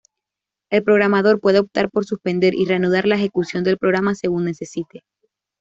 El programador puede optar por suspender y reanudar la ejecución del programa según necesite.